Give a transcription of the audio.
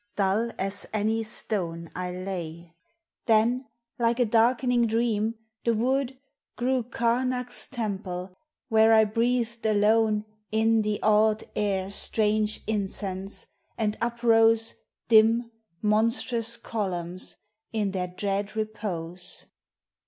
Dull as any stone I lay; then, like a darkening dream, the wood Grew Karnac's temple, where I breathed alone In the awed air strange incense, and uprose Dim, monstrous columns in their dread repose.